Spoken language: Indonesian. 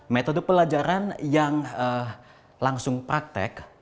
metode pelajaran yang langsung praktek